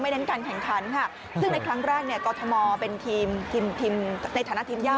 เน้นการแข่งขันค่ะซึ่งในครั้งแรกเนี่ยกรทมเป็นทีมในฐานะทีมย่า